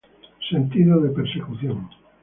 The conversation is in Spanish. Sentido de persecución.